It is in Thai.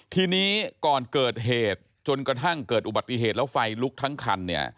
ทีนี้ก่อนเกิดเหตุจนกระทั่งเกิดอุบัติเหตุแล้วไฟลุกทั้งคันเนี่ย